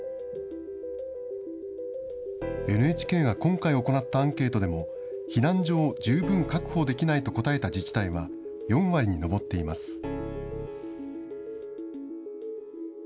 ＮＨＫが今回、行ったアンケートでも、避難所を十分確保できないと答えた自治体は４割に上っています。